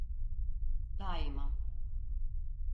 Daima.